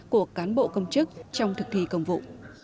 của cán bộ công chức trong thực thi công vụ